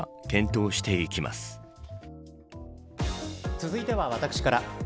続いては私から。